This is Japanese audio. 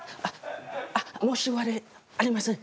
あっ申し訳ありません！